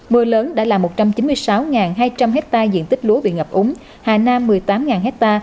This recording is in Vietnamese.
mưa lớn đã làm một trăm chín mươi sáu hai trăm linh hectare diện tích lúa bị ngập úng hà nam một mươi tám ha